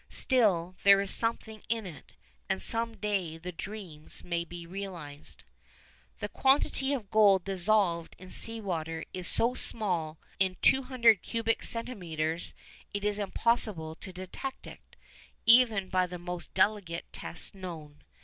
Still, there is something in it, and some day the dreams may be realised. The quantity of gold dissolved in sea water is so small that in 200 cubic centimetres it is impossible to detect it, even by the most delicate tests known.